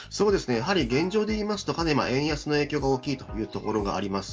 やはり、現状でいうとかなり円安の影響が大きいというところがあります。